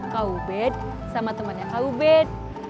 kak ubed sama temannya kak ubed